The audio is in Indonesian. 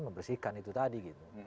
membersihkan itu tadi gitu